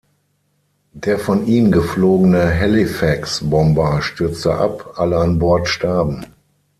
Der von ihm geflogene Halifax-Bomber stürzte ab, alle an Bord starben.